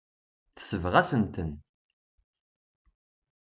Tesbeɣ-asen-ten.